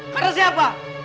sekarang kita miskin